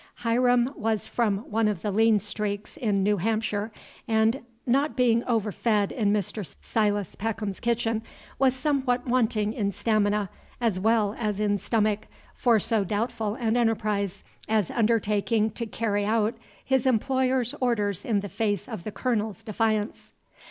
Hiram was from one of the lean streaks in New Hampshire, and, not being overfed in Mr. Silas Peckham's kitchen, was somewhat wanting in stamina, as well as in stomach, for so doubtful an enterprise, as undertaking to carry out his employer's orders in the face of the Colonel's defiance.